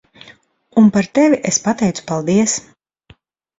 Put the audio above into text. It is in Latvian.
Un par tevi es pateicu paldies.